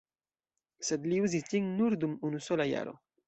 Sed li uzis ĝin nur dum unusola jaro.